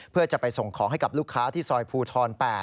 เพื่อจะไปส่งของให้กับลูกค้าที่ซอยภูทร๘